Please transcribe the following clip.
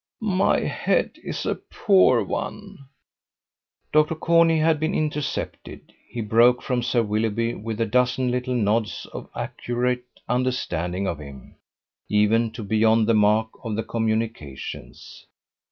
My head is a poor one." Dr. Corney had been intercepted. He broke from Sir Willoughby with a dozen little nods of accurate understanding of him, even to beyond the mark of the communications.